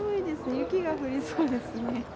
雪が降りそうですね。